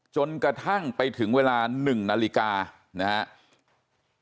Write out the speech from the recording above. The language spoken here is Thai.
จนกระทั่งไปถึงเวลา๑นาฬิกานะครับ